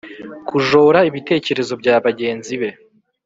Kujora ibitekerezo bya bagenzi be.